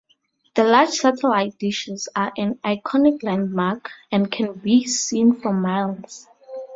The large satellite dishes are an iconic landmark, and can be seen for miles.